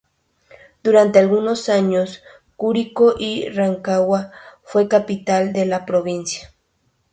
Durante algunos años Curicó y Rancagua fueron capitales de la provincia.